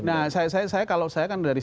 nah saya kalau saya kan dari